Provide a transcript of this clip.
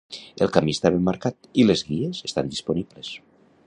El camí està ben marcat i les guies estan disponibles.